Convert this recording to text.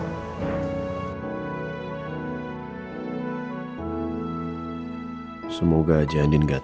aku akan mengambil padam hati ketika dia kekenyakan